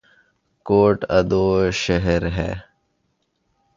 کوٹ ادو شہر ہے